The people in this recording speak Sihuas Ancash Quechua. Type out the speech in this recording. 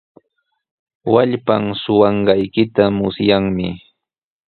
Wallpan suqanqaykita musyanmi.